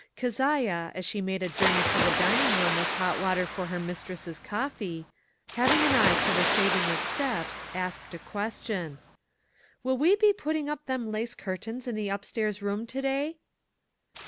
Keziah, as she made a journey to the dining room with hot water for her mistress' coffee, having an eye to the saving of steps, asked a question : "Will we be putting up them lace curtains in the np stairs room to day?"